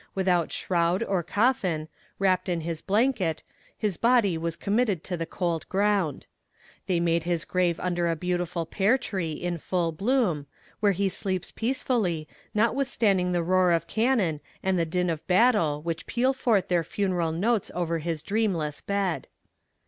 Without shroud or coffin, wrapped in his blanket, his body was committed to the cold ground. They made his grave under a beautiful pear tree, in full bloom, where he sleeps peacefully, notwithstanding the roar of cannon and the din of battle which peal forth their funeral notes over his dreamless bed.